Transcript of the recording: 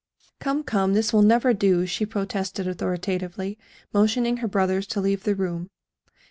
"Come, come, this will never do," she protested authoritatively, motioning her brothers to leave the room.